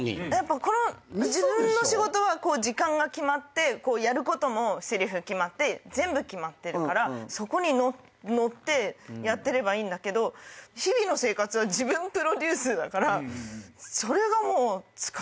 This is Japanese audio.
この自分の仕事は時間が決まってやることもせりふ決まって全部決まってるからそこにのってやってればいいんだけど日々の生活は自分プロデュースだから。